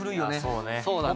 そうだね。